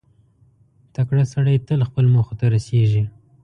• تکړه سړی تل خپلو موخو ته رسېږي.